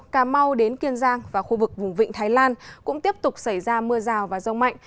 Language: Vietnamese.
cà mau đến kiên giang và khu vực vùng vịnh thái lan cũng tiếp tục xảy ra mưa rào và rông mạnh